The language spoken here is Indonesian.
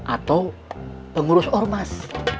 atau pengurus ormas